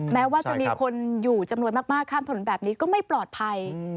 แม้ว่าจะมีคนอยู่จำนวนมากข้ามถนนแบบนี้ก็ไม่ปลอดภัย